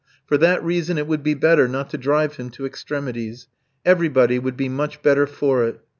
For that reason it would be better not to drive him to extremities. Everybody would be much better for it.